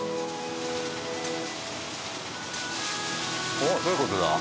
おっ？どういう事だ？